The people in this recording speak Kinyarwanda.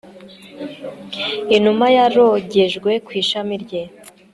inuma yarogejwe ku ishami rye